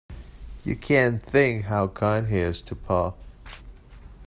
You can't think how kind he is to Pa.